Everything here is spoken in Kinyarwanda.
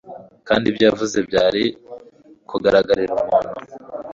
kandi ibyo yavuze byari kugaragarira umuntu